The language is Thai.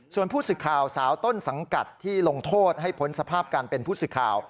ส่วนผู้สื่อข่าวสาวต้นสังกัดที่ลงโทษให้พ้นสภาพการเป็นผู้สื่อข่าว